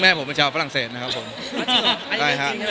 ผมพาผมคีย์หลังไป